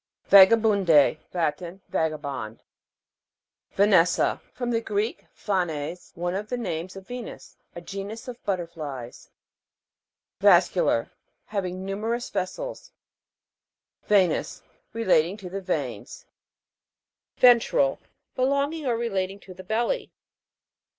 VAGABUN'D,E. Latin. Vagabond. VANES'SA. From the Greek, phanes, one of the names of Venus. A genus of butterflies. VAS'CULAR. Having numerous ves sels. VE'NOUS. Relating to the veins. VEN'TRAL. Belonging or relating to the belly.